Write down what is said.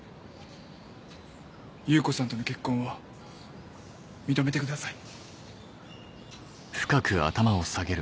優子さんとの結婚を認めてください。